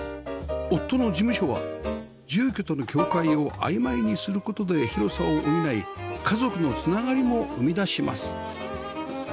夫の事務所は住居との境界を曖昧にする事で広さを補い家族のつながりも生み出します